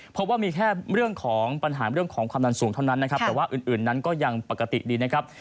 เพราะว่ามีแค่เรื่องของปัญหาเรื่องของความดันสูงเท่านั้นนะครับแต่ว่าอื่นนั้นก็ยังปกติดีนะครับ